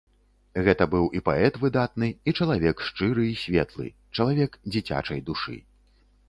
Гэта быў і паэт выдатны, і чалавек шчыры і светлы, чалавек дзіцячай душы.